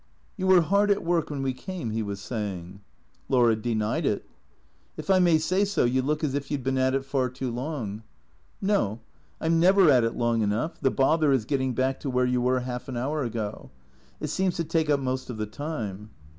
" You were hard at work when we came/' he was saying. Laura denied it. " If I may say so, you look as if you 'd been at it far too long." " No. I 'm never at it long enough. The bother is getting back to where you were half an hour ago. It seems to take up most of the time.''